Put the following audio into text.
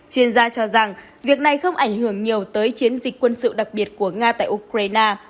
chuyên gia cho rằng việc này không ảnh hưởng nhiều tới chiến dịch quân sự đặc biệt của nga tại ukraine